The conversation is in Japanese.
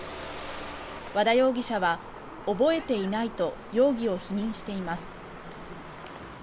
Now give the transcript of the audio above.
和田容疑者は、覚えていないと容疑を否認しています。